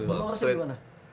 lu mau harusnya dimana